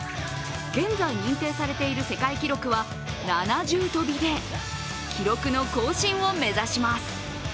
現在認定されている世界記録は７重跳びで、記録の更新を目指します。